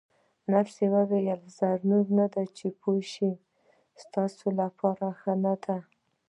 نرسې وویل: ضرور نه ده چې پوه شې، ستا لپاره ښه نه ده.